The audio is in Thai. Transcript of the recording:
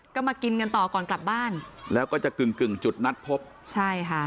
ก็มากินกันต่อก่อนกลับบ้านแล้วก็จะกึ่งกึ่งจุดนัดพบใช่ค่ะ